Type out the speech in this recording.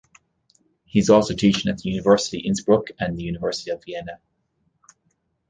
He is also teaching at the University Innsbruck and the University of Vienna.